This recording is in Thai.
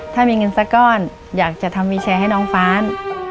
ถ้ามีเงินสักก้อนอยากจะทำวิวแชร์ให้น้องฟ้าน